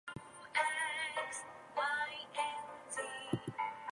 Compound time is associated with "lilting" and dancelike qualities.